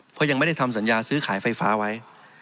เพราะยังไม่ได้ทำสัญญาซื้อขายไฟฟ้าไว้